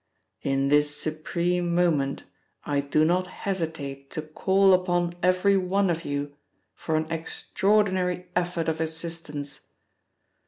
In this supreme moment I do not hesitate to call upon every one of you for an extraordinary effort of assistance.